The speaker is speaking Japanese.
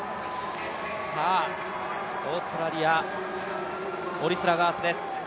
オーストラリア、オリスラガースです。